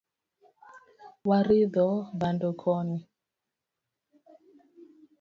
Waridho bando koni